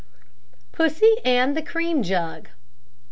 PUSSY AND THE CREAM JUG.